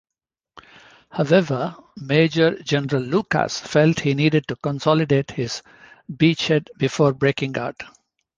However, Major General Lucas felt he needed to consolidate his beachhead before breaking out.